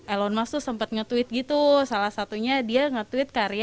elon musk tuh sempat nge tweet gitu salah satunya dia nge tweet karya